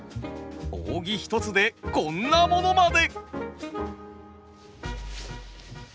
扇一つでこんなものまで。